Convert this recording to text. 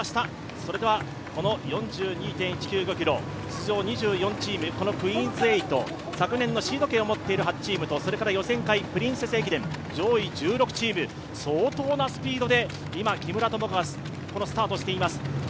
ｋｍ、出場４２チーム、クイーンズ８、昨年のシード権を持っている８チームとそれから予選会、プリンセス駅伝上位１６チーム、相当なスピードで今、木村友香がスタートしています。